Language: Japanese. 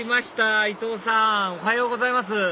おはようございます。